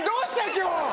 今日。